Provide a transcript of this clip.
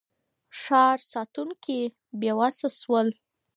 ښار ساتونکي بېوسه شول.